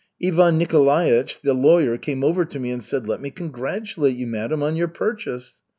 Ivan Nikolaich, the lawyer, came over to me and said: 'Let me congratulate you, madam, on your purchase.'